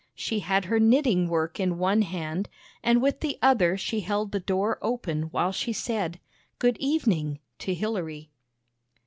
She had her knitting work in one hand, and with the other she held the door open while she said " Good evening " to Hilary.